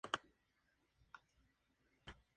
el enemigo a batir